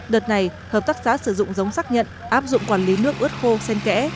đợt này hợp tác xã sử dụng giống xác nhận áp dụng quản lý nước ướt khô sen kẽ